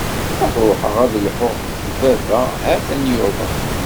Ad ruḥeɣ ad lhuɣ d baba, ha-t-an yuḍen.